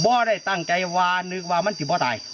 ะบ่อได้ตั้งใจวาเนื้อวามันจิบพ่อตาย